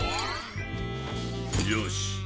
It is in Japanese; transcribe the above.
よし！